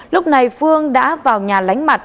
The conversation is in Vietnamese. lúc này phương đã vào nhà lánh mặt